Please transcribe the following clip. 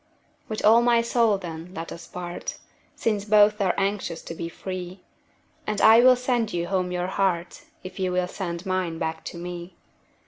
With all my soul, then, let us part, Since both are anxious to be free; And I will sand you home your heart, If you will send mine back to me.